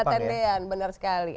ke tendean benar sekali